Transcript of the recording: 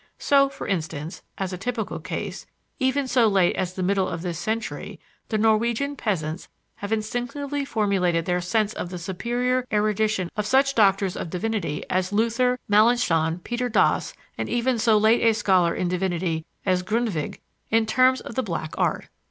So, for instance, as a typical case, even so late as the middle of this century, the Norwegian peasants have instinctively formulated their sense of the superior erudition of such doctors of divinity as Luther, Malanchthon, Peder Dass, and even so late a scholar in divinity as Grundtvig, in terms of the Black Art.